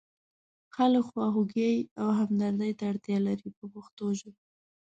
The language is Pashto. خلک خواخوږۍ او همدردۍ ته اړتیا لري په پښتو ژبه.